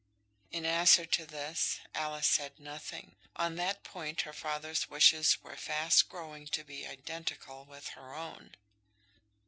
In answer to this, Alice said nothing. On that point her father's wishes were fast growing to be identical with her own.